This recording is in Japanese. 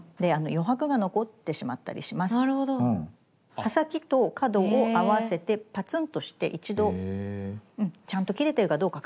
刃先と角を合わせてパツンとして一度ちゃんと切れてるかどうか確認して下さい。